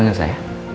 tugas apa ya pak